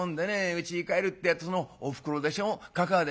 うちに帰るってえとそのおふくろでしょかかあでしょ